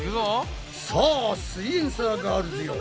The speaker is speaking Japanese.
さあすイエんサーガールズよ